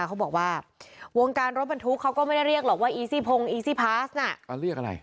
เขาบอกว่าวงการรถบรรทุกเขาก็ไม่ได้เรียกหรอกว่าอีซี่พงอีซี่พาสน่ะเรียกอะไร